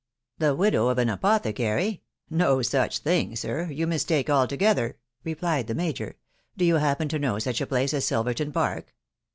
" The widow of an apothecary ?.... No such thing, sir ; you mistake altogether," replied the major. " Do you happen to know such a place as Silverton Park